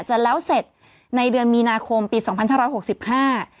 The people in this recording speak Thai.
จะแล้วเสร็จในเดือนมีนาคมปีสองพันห้าร้อยหกสิบห้า